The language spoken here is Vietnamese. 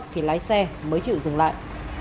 thì lái xe mới chịu dừng lại